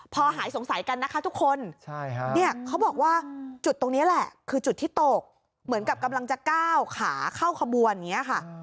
พอหายสงสัยกันนะคะทุกคนเขาบอกว่าจุดตรงนี้แหละคือจุดที่ตกเหมือนกับกำลังจะก้าวขาเข้าขบวนอย่างนี้ค่ะ